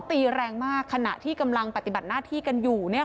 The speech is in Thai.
ตีแรงมากขณะที่กำลังปฏิบัติหน้าที่กันอยู่